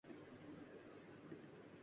تم اپنے نئے گھر کب جا رہی ہو